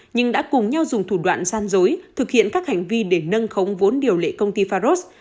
nhưng đã cùng nhau dùng thủ đoạn gian dối thực hiện các hành vi để nâng khống vốn điều lệ công ty faros